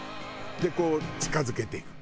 でこう近付けていく。